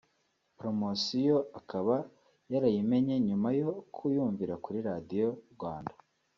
poromosiyo akaba yarayimenye nyuma yo kuyumva kuri radio Rwanda